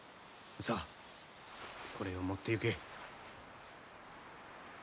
さあこれを持っていけ。